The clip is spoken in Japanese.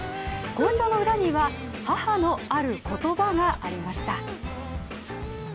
好調の裏には、母のある言葉がありました。